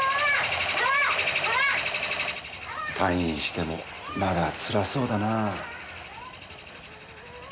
退院してもまだつらそうだなあ。